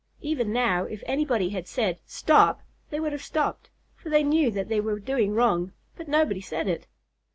Even now, if anybody had said, "Stop!" they would have stopped, for they knew that they were doing wrong; but nobody said it.